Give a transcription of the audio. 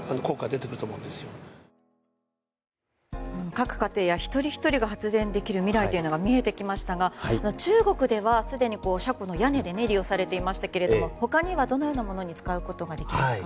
各家庭や一人ひとりが発電できる未来が見えてきましたが中国ではすでに車庫の屋根で利用されていましたけども他には、どのようなものに使うことができますか？